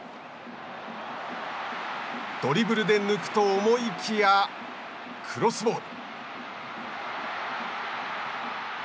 ドリブルで抜くと思いきやクロスボール。